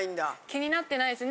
気になってないです。